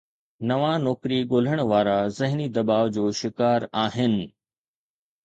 نوان نوڪري ڳولڻ وارا ذهني دٻاءُ جو شڪار آهن